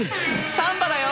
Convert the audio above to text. サンバだよ！